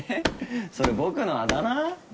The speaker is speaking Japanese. それ僕のあだ名？